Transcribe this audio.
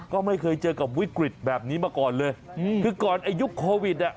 ก็ไม่เคยเจอกับวิกฤตแบบนี้มาก่อนเลยคือก่อนอายุโควิดอ่ะ